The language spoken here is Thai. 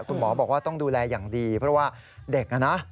คุณหมอบอกว่าต้องดูแลอย่างดีเพราะว่าเด็กนะ